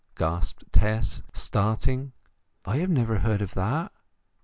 gasped Tess, starting. "I have never heard o' that!"